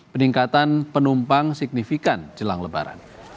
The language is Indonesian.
peningkatan penumpang signifikan jelang lebaran